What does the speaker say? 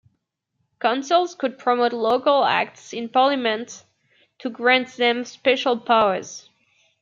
Councils could promote Local Acts in Parliament to grant them special powers.